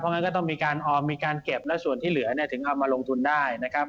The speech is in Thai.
งั้นก็ต้องมีการออมมีการเก็บแล้วส่วนที่เหลือเนี่ยถึงเอามาลงทุนได้นะครับ